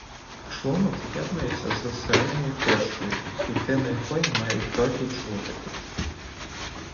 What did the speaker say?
Шлунок з'єднується з середньою кишкою, клітини якої мають довгі джгутики.